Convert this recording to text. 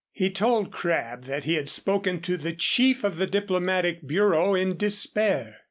He told Crabb that he had spoken to the chief of the diplomatic bureau in despair.